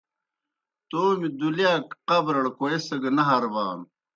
تومیْ دُلِیاک قبرَڑ کوئیسگہ نہ ہربانوْ۔